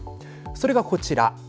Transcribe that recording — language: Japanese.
それがこちら。